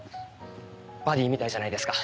バディみたいじゃないですか。